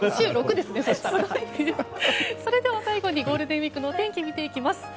最後にゴールデンウィークの天気見ていきます。